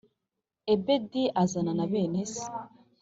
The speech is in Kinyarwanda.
Ebedi azana na bene se.